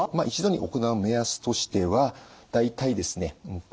一度に行う目安としては大体ですね